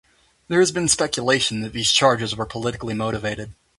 There has been speculation that these charges were politically motivated.